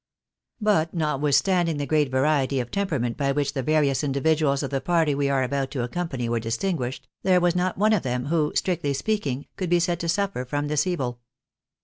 But notwithstanding the great variety of temperament by which the various individuals of the party we are about to accompany were distinguished, there was not one of them who, strictly speaking, could be said to suffer from this evil.